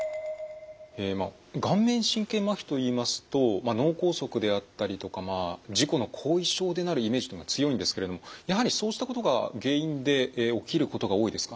まあ顔面神経まひといいますと脳梗塞であったりとか事故の後遺症でなるイメージというのが強いんですけれどもやはりそうしたことが原因で起きることが多いですか？